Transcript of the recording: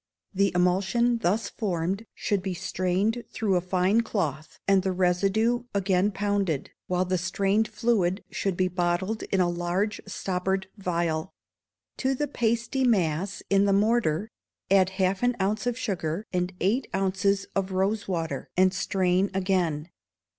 The emulsion thus formed should be strained through a fine cloth, and the residue again pounded, while the strained fluid should be bottled in a large stoppered vial. To the pasty mass in the mortar add half an ounce of sugar, and eight ounces of rose water, and strain again.